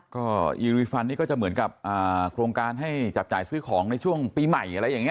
ก็อีริฟันนี่ก็จะเหมือนกับโครงการให้จับจ่ายซื้อของในช่วงปีใหม่อะไรอย่างนี้